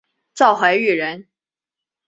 赵怀玉人。